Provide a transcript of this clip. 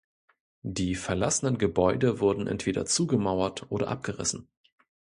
Die verlassenen Gebäude wurden entweder zugemauert oder abgerissen.